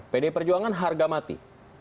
pdi perjuangan harga mati